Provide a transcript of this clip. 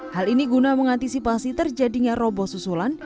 hal ini guna mengantisipasi terjadinya roboh susulan